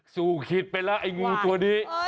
สู่ขิตไปแล้วไอ้งูตัวนี้